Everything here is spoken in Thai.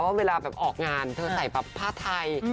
เวลาแบบออกงานเธอใส่ผ้าไทย